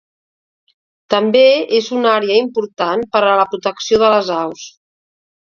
També és una àrea important per a la protecció de les aus.